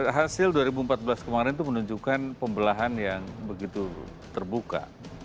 hasil dua ribu empat belas kemarin itu menunjukkan pembelahan yang begitu terbuka